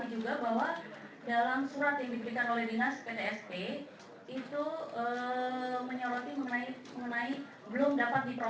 itu bisa saya informasikan untuk pijatan hotel hampir satu ratus lima puluh